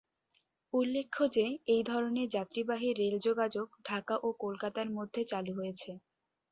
উল্ল্যেখ্য যে একই ধরনের যাত্রীবাহী রেল যোগাযোগ ঢাকা ও কলকাতার মধ্যে চালু হয়েছে।